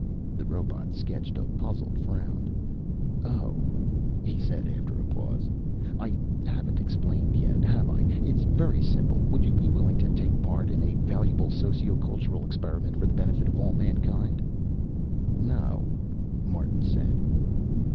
The robot sketched a puzzled frown. "Oh," he said after a pause. "I haven't explained yet, have I? It's very simple. Would you be willing to take part in a valuable socio cultural experiment for the benefit of all mankind?" "No," Martin said.